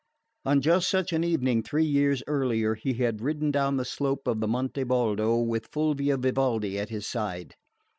On just such an evening three years earlier he had ridden down the slope of the Monte Baldo with Fulvia Vivaldi at his side.